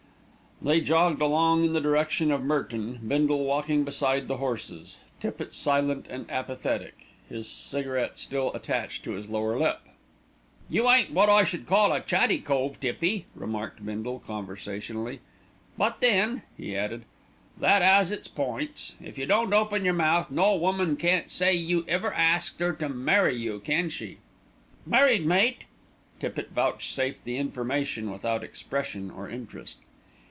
They jogged along in the direction of Merton, Bindle walking beside the horses, Tippitt silent and apathetic, his cigarette still attached to his lower lip. "You ain't wot I should call a chatty cove, Tippy," remarked Bindle conversationally; "but then," he added, "that 'as its points. If you don't open your mouth, no woman can't say you ever asked 'er to marry you, can she?" "Married, mate!" Tippitt vouchsafed the information without expression or interest.